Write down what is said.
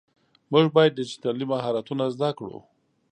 مونږ باید ډيجيټلي مهارتونه زده کړو.